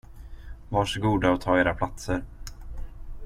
Varsågoda och ta era platser.